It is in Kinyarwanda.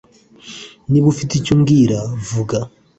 Niba ufite icyo umbwira, vuga.